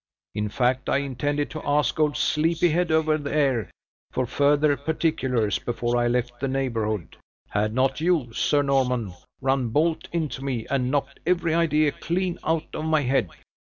In fact, I intended to ask old sleepy head, over there, for further particulars, before I left the neighborhood, had not you, Sir Norman, run bolt into me, and knocked every idea clean out of my head."